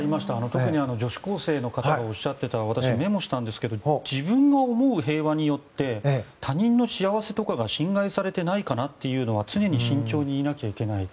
特に女子高校生の方がおっしゃっていた私、メモしたんですが自分が思う平和によって他人の幸せとかが侵害されていないかなというのは常に慎重にいなきゃいけない。